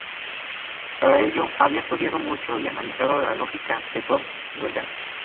Para ello, había estudiado mucho y analizado la "Lógica" de Port Royal.